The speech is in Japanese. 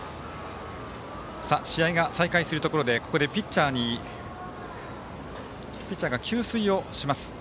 試合が再開するところでここでピッチャーが給水をしました。